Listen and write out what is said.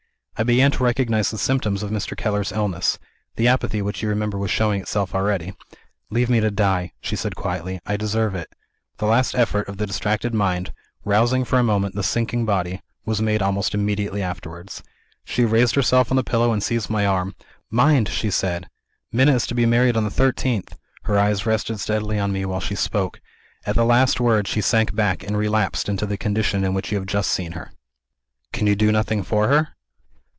I began to recognize the symptoms of Mr. Keller's illness. The apathy which you remember was showing itself already. 'Leave me to die,' she said quietly; 'I deserve it.' The last effort of the distracted mind, rousing for a moment the sinking body, was made almost immediately afterwards. She raised herself on the pillow, and seized my arm. 'Mind!' she said, 'Minna is to be married on the thirteenth!' Her eyes rested steadily on me, while she spoke. At the last word, she sank back, and relapsed into the condition in which you have just seen her." "Can you do nothing for her?"